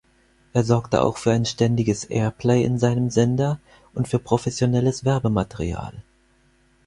Er sorgte auch für ein ständiges Airplay in seinem Sender und für professionelles Werbematerial.